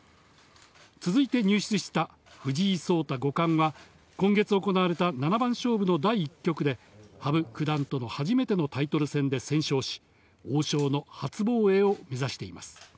続いて入室した藤井聡太五冠は、今月行われた七番勝負の第１局で、羽生九段との初めてのタイトル戦で先勝し、王将の初防衛を目指しています。